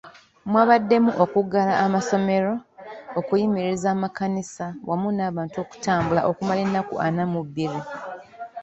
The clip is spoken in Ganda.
Mwabaddemu okuggala amasomero, okuyimiriza amakanisa wamu n’abantu okutambula okumala ennaku ana mu bbiri.